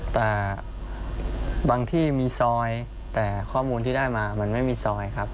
แต่บางที่มีซอยแต่ข้อมูลที่ได้มามันไม่มีซอยครับ